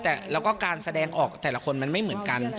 แต่แล้วก็การแสดงออกแต่ละคนมันไม่เหมือนกัน